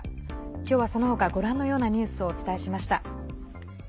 今日はそのほかご覧のようなニュースをお伝えしました。